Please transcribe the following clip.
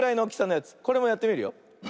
これもやってみるよ。